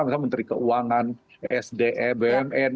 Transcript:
misalnya menteri keuangan sda bmn